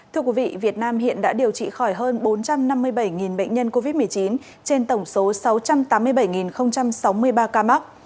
thưa quý vị việt nam hiện đã điều trị khỏi hơn bốn trăm năm mươi bảy bệnh nhân covid một mươi chín trên tổng số sáu trăm tám mươi bảy sáu mươi ba ca mắc